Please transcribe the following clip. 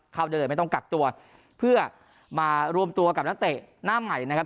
เข้าได้เลยไม่ต้องกักตัวเพื่อมารวมตัวกับนักเตะหน้าใหม่นะครับ